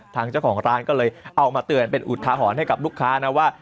ทางเจ้าของร้านก็เลยเอามาเตือนเป็นอุทาหรณ์ให้กับลูกค้านะว่า